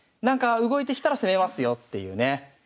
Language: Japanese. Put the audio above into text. なんか動いてきたら攻めますよっていうね。